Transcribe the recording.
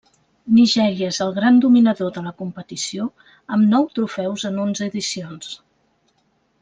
Nigèria és el gran dominador de la competició amb nou trofeus en onze edicions.